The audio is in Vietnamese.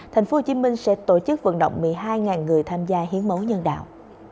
tp hcm sẽ tổ chức vận động một mươi hai người tham gia hiến máu nhân đạo